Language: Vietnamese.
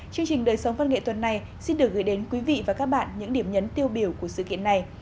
chương trình đời sống văn nghệ tuần này xin được gửi đến quý vị và các bạn những điểm nhấn tiêu biểu của sự kiện này